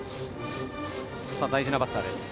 大事なバッターです。